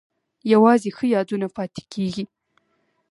یوازې ښه یادونه پاتې کیږي؟